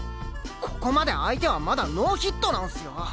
ここまで相手はまだノーヒットなんすよ。